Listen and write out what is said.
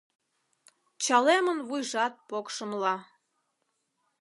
Чалемын вуйжат покшымла.